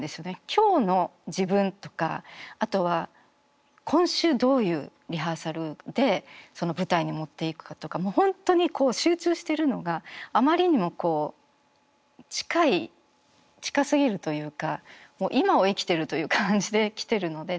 今日の自分とかあとは今週どういうリハーサルでその舞台に持っていくかとか本当に集中してるのがあまりにも近い近すぎるというか今を生きてるという感じで来てるので。